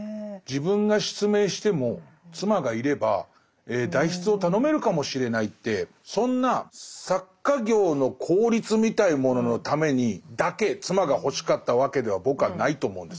自分が失明しても妻がいれば代筆を頼めるかもしれないってそんな作家業の効率みたいなもののためにだけ妻が欲しかったわけでは僕はないと思うんです。